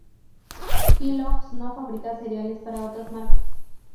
Kellogg´s no fabrica cereales para otras marcas.